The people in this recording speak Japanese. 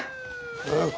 早く。